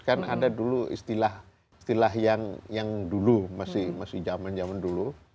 kan ada dulu istilah yang dulu masih zaman zaman dulu